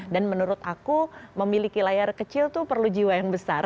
dan menurut aku memiliki layar kecil tuh perlu jiwa yang besar